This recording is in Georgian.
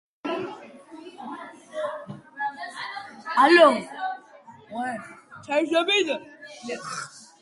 შენობა ორსართულიანი და ნაწილობრივ რეაბილიტირებულია.